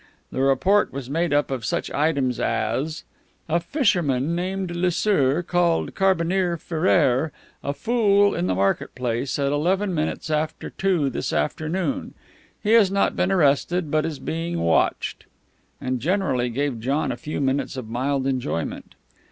The report was made up of such items as "A fisherman named Lesieur called Carbineer Ferrier a fool in the market place at eleven minutes after two this afternoon; he has not been arrested, but is being watched," and generally gave John a few minutes of mild enjoyment.